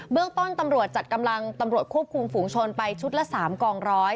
เรื่องต้นตำรวจจัดกำลังตำรวจควบคุมฝูงชนไปชุดละ๓กองร้อย